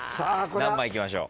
何番いきましょう？